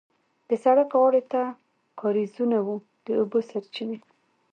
د سړک غاړې ته کارېزونه وو د اوبو سرچینې.